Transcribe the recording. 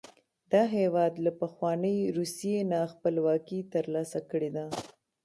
دا هېواد له پخوانۍ روسیې نه خپلواکي تر لاسه کړې ده.